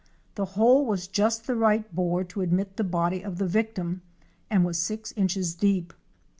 The hole was just the right bore to admit the body of the victim and was six inches deep.